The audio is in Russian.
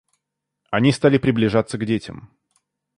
Они стали приближаться к детям.